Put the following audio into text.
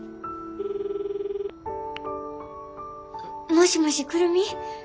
もしもし久留美？